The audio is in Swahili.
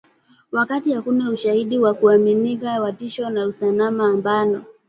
Wakati hakuna ushahidi wa kuaminika wa tishio la usalama ambalo